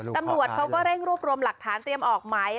ตำรวจเขาก็เร่งรวบรวมหลักฐานเตรียมออกไหม